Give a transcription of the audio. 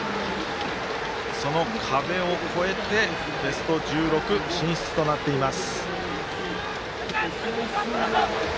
その壁を越えてベスト１６進出となっています。